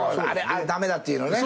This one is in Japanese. あれ駄目だっていうのね。